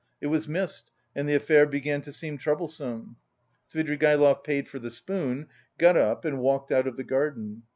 It was missed and the affair began to seem troublesome. Svidrigaïlov paid for the spoon, got up, and walked out of the garden.